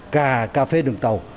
cả cà phê đường tàu